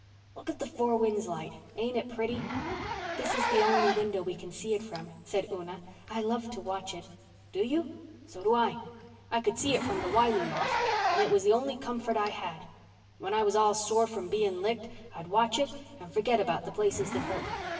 Look at the Four Winds light. Ain't it pretty?" "This is the only window we can see it from," said Una. "I love to watch it." "Do you? So do I. I could see it from the Wiley loft and it was the only comfort I had. When I was all sore from being licked I'd watch it and forget about the places that hurt.